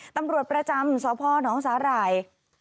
ตำรวจประจำสพนสาหร่าย